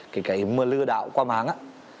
cái cái mưa lưa đạo qua mạng á